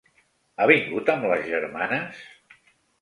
Ha vingut amb les germanes?